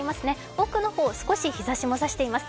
奥の方、少し日ざしも差しています。